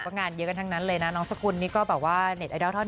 งานเยอะกันทั้งนั้นเลยนะน้องสกุลนี่ก็แบบว่าเน็ตไอดอลทอด